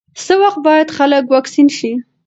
څه وخت باید خلک واکسین شي؟